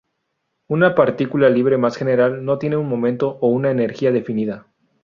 Una partícula libre más general no tiene un momento o una energía definida.